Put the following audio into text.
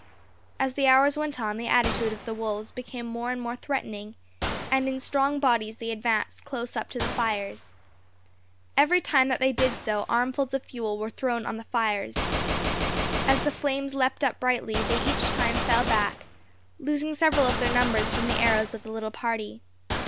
As the hours went on, the attitude of the wolves became more and more threatening, and in strong bodies they advanced close up to the fires. Every time that they did so armfuls of fuel were thrown on the fires. As the flames leapt up brightly they each time fell back, losing several of their numbers from the arrows of the little party.